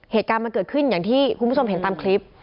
เหตุการณ์มันเกิดขึ้นอย่างที่คุณผู้ชมเห็นตามคลิป